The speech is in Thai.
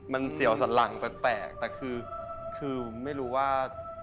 มันเสียวสันหลังแปลกแต่คือไม่รู้ว่า